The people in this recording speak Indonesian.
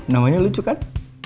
namanya lucu kan